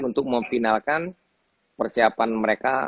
untuk memfinalkan persiapan mereka